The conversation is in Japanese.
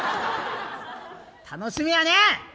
楽しみやね！